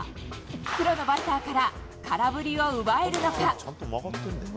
プロのバッターから空振りを奪えるのか。